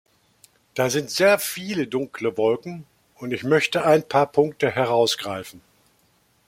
Da sind sehr viele dunkle Wolken, und ich möchte ein paar Punkte herausgreifen.